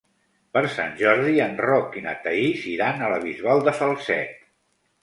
Per Sant Jordi en Roc i na Thaís iran a la Bisbal de Falset.